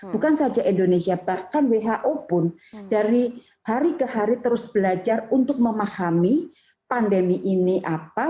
bukan saja indonesia bahkan who pun dari hari ke hari terus belajar untuk memahami pandemi ini apa